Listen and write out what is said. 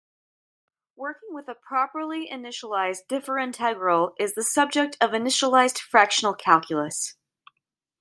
Working with a properly initialized differintegral is the subject of initialized fractional calculus.